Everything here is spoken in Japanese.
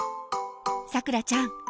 さくらちゃん